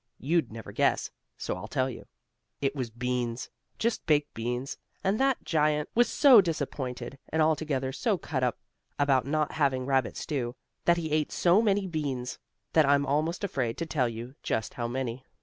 You'd never guess, so I'll tell you. It was beans just baked beans, and that giant was so disappointed, and altogether so cut up about not having rabbit stew, that he ate so many beans, that I'm almost afraid to tell you just how many.